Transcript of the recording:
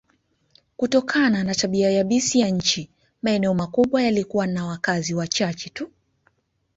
Kutokana na tabia yabisi ya nchi, maeneo makubwa yalikuwa na wakazi wachache tu.